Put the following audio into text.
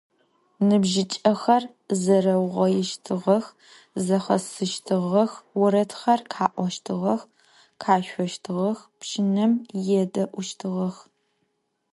Nıbjıç'exer zereuğoiştığex, zexesıştığex, voredxer kha'oştığex, khaşsoştığex, pşınem yêde'uştığex.